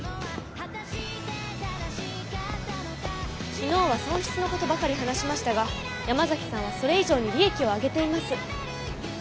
昨日は損失のことばかり話しましたが山崎さんはそれ以上に利益を上げています。